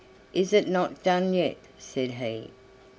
"Is it not done yet?" said he.